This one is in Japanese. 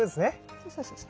そうそうそうそう。